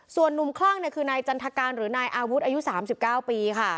ส่วนนุ่มคลั่งคือนายจันทการหรือนายอาวุธอายุ๓๙ปีค่ะ